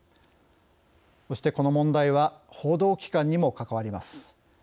そして、この問題は報道機関にも関わります。